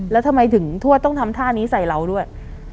แล้วทำไมถึงทวดต้องทำท่านี้ใส่เราด้วย